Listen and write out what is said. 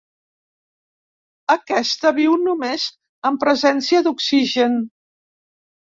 Aquesta viu només en presència d'oxigen.